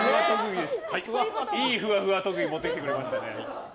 いいふわふわ特技を持ってきてくれましたね。